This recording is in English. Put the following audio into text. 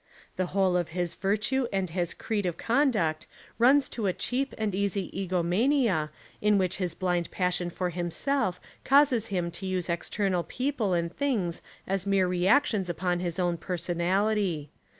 The whole of his virtue and his creed of conduct runs to a cheap and easy egomania in which his blind passion for himself causes him to use external people and things as mere reactions upon his own personality.